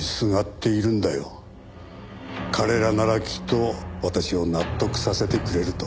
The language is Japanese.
彼らならきっと私を納得させてくれると。